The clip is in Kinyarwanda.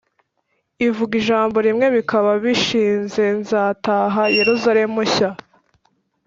ivuga ijambo rimwe bikaba bishizenzataha yeruzalemu nshya